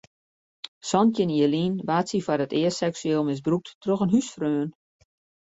Santjin jier lyn waard sy foar it earst seksueel misbrûkt troch in húsfreon.